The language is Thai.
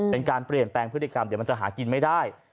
เป็นการเปลี่ยนแปลงพฤติกรรมเดี๋ยวมันจะหากินไม่ได้